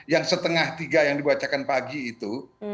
yang setengah tiga yang dibacakan pagi itu